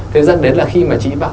thế dẫn đến là khi mà chị bảo